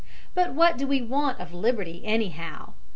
But what do we want of liberty, anyhow?